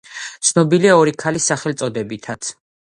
ცნობილია „ორი ქალის“ სახელწოდებითაც.